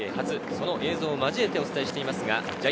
その映像を交えてお伝えしています。